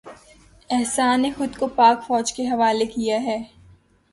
احسان نے خود کو پاک فوج کے حوالے کیا ہے